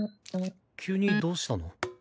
急にどうしたの？